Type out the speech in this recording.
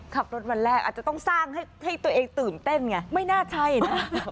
ขับรถวันแรกอาจจะต้องสร้างให้ตัวเองตื่นเต้นไงไม่น่าใช่นะ